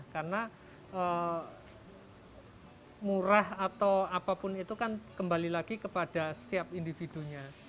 karena murah atau apapun itu kan kembali lagi kepada setiap individunya